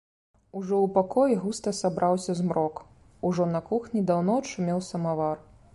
Ужо ў пакоі густа сабраўся змрок, ужо на кухні даўно адшумеў самавар.